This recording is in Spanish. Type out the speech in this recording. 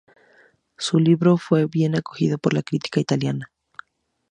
Su libro fue bien acogido por la crítica italiana.